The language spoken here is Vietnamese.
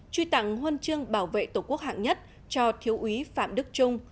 truy tặng huân chương bảo vệ tổ quốc hạng nhất cho thiếu úy phạm đức trung